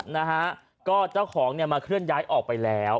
นะคะที่เจ้าของเนี่ยเครื่องทางออกไปแล้ว